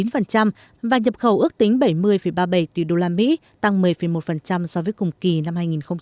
và nhập khẩu ước tính bảy mươi ba mươi bảy tỷ usd tăng một mươi một so với cùng kỳ năm hai nghìn một mươi tám